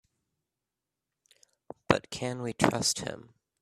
But can we trust him?